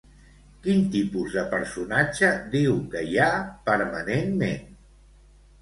Quin tipus de personatge diu que hi ha, permanentment?